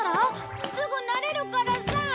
すぐ慣れるからさ。